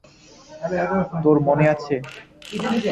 তোর মনে আছে?